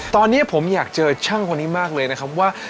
ตอนนี้ผมอยากเจอช่างคนนี้มากเลยนะครับว่า